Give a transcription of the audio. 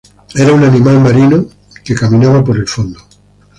Era un animal marino que caminaba por el fondo.